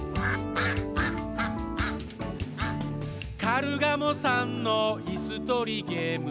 「カルガモさんのいすとりゲーム」